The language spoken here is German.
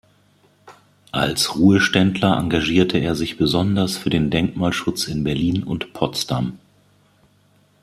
Als Ruheständler engagierte er sich besonders für den Denkmalschutz in Berlin und Potsdam.